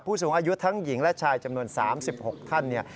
ผู้สูงอายุทั้งหญิงและชายจำนวน๓๖ท่าน